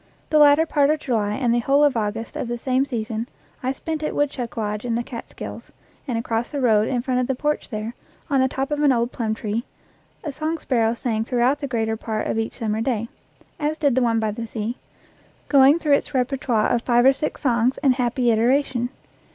The latter part of July and the whole of August of the same 64 EACH AFTER ITS KIND season I spent at Woodchuck Lodge in the Catskills, and across the road in front of the porch there, on the top of an old plum tree, a song sparrow sang throughout the greater part of each summer day, as did the one by the sea, going through its reper toire of five or six songs in happy iteration.